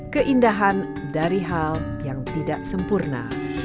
keindahan dari hal yang tidak sempurna